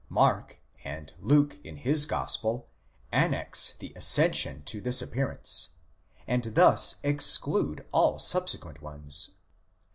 Mark, and Luke in his gospel, annex the as cension to this appearance, and thus exclude all subsequent ones.